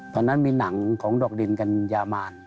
ตอนนั้นมีหนังของดอกดินกันยาวมาน